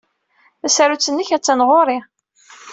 Tasarut-nnek attan ɣur-i.